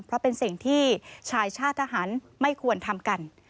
เพราะเป็นสิ่งที่ชายชาติทหารไม่ควรทำกัน